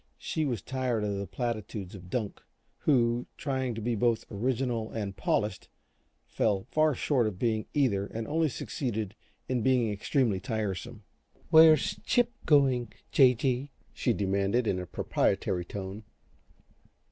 She was tired of the platitudes of Dunk, who, trying to be both original and polished, fell far short of being either and only succeeded in being extremely tiresome. "Where's Chip going, J. G.?" she demanded, in a proprietary tone.